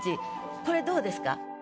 これどうですか？